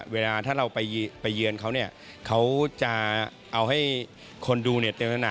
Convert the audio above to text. เวลาถ้าเราไปเยือนเขาเขาจะเอาให้คนดูเน็ตเต็มสนาม